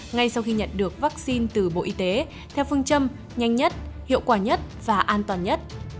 ngay sau khi nhận được vaccine từ bộ y tế theo phương châm nhanh nhất hiệu quả nhất và an toàn nhất